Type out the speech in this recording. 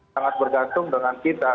sangat bergantung dengan kita